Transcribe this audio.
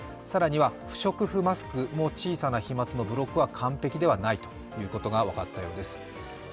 更には不織布マスクも小さな飛まつのブロックは完璧ではないということが分かったようです。